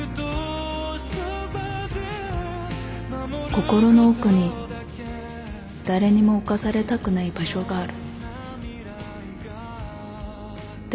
心の奥に誰にも侵されたくない場所がある。